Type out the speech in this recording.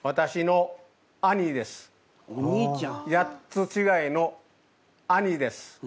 ８つちがいの兄です。